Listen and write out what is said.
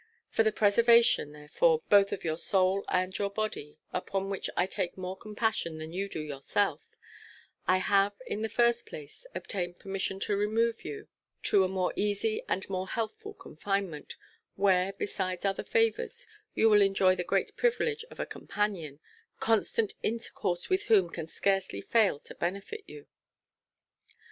For the preservation, therefore, both of your soul and your body upon which I take more compassion than you do yourself I have, in the first place, obtained permission to remove you to a more easy and more healthful confinement, where, besides other favours, you will enjoy the great privilege of a companion, constant intercourse with whom can scarcely fail to benefit you."